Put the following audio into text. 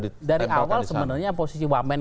ditempelkan disana dari awal sebenarnya posisi wakmen